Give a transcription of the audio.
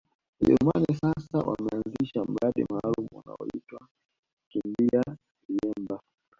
Wajerumani sasa wameanzisha mradi maalumu unaoitwa kimbia liemba